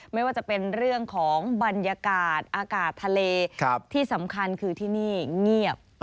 ไม่ว่าจะเป็นเรื่องของบรรยากาศอากาศทะเลที่สำคัญคือที่นี่เงียบ